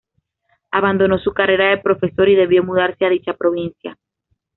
Abandonó su carrera de profesor y debió mudarse a dicha provincia.